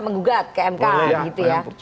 menggugat ke mk gitu ya boleh ya